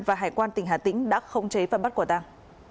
và hải quan tỉnh hà tĩnh đã khống chế và bắt quả tàng